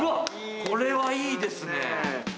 これはいいですね